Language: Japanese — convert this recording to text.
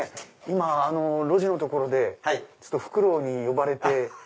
今路地のところでフクロウに呼ばれて。